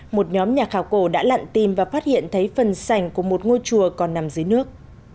một nhóm nhà khảo cổ đã lặn tìm và phát hiện thấy phần sảnh của một ngôi chùa còn nằm dưới nước